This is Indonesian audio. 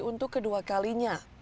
untuk kedua kalinya